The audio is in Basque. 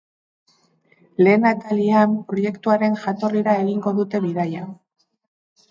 Lehen atalean, proiektuaren jatorrira egingo dute bidaia.